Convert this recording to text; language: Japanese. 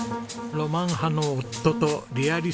ロマン派の夫とリアリストの妻。